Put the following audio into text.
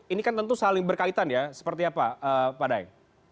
ini kan tentu saling berkaitan ya seperti apa pak daeng